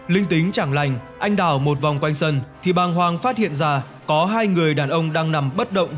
linh tính chẳng lành anh đào một vòng quanh sân thì bàng hoàng phát hiện ra có hai người đàn ông đang nằm bất động